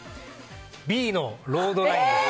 Ｂのロードラインです。